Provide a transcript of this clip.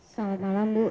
selamat malam bu